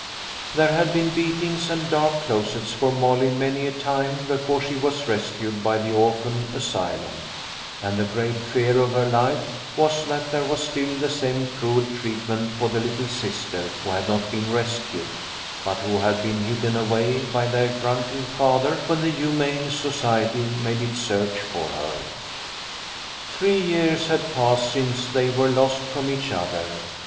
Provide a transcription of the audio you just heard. There had been beatings and dark closets for Molly many a time before she was rescued by the orphan asylum, and the great fear of her life was that there was still the same cruel treatment for the little sister who had not been rescued, but who had been hidden away by their drunken father when the Humane Society made its search for her. Three years had passed since they were lost from each other.